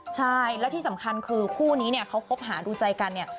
ใช่และที่สำคัญคู่นี้เขาคุบฮาดูใจกันเนี่ย